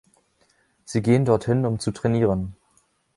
Sie gehen dort hin, um zu trainieren.